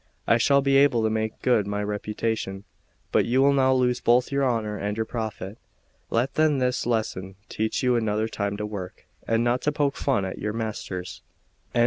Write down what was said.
I shall be able to make good my reputation; but you will now lose both your honour and your profit. Let then this lesson teach you another time to work, and not to poke fun at your masters." Note 1.